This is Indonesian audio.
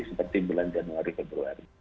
seperti bulan januari februari